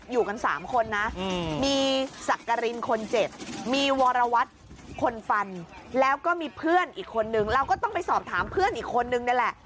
อยู่กัน๓คนนะมีสักกรินคนเจ็บมีวรวัตรคนฟันแล้วก็มีเพื่อนอีกคนนึงเราก็ต้องไปสอบถามเพื่อนอีกคนนึงนี่แหละ